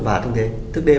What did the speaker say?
và thức đêm